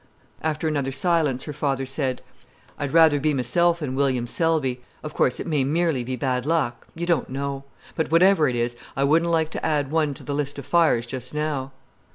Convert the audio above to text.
After another silence, her father said: "I'd rather be myself than William Selby. Of course it may merely be bad luck—you don't know. But whatever it was, I wouldn't like to add one to the list of fires just now.